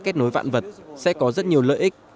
kết nối vạn vật sẽ có rất nhiều lợi ích